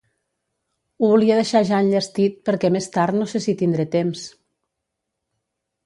Ho volia deixar ja enllestit perquè més tard no sé si tindré temps.